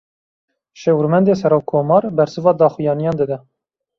Şêwirmendê serokkomar, bersiva daxuyaniyan dide